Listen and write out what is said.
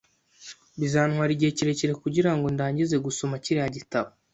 Bizantwara igihe kirekire kugirango ndangize gusoma kiriya gitabo